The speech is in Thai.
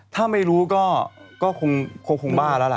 ถ้าไม่รู้ก็คงบ้าแล้วล่ะ